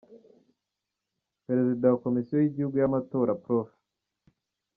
Perezida wa Komisiyo y’Igihugu y’amatora, Prof.